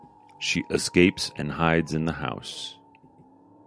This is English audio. She escapes and hides in the house.